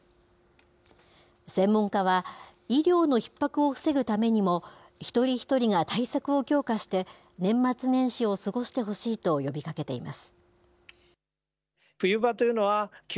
専門家は、医療のひっ迫を防ぐためにも一人一人が対策を強化して、年末年始を過ごしてほしいと呼びかけています。